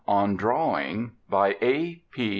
ON DRAWING By A. P.